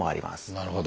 なるほど。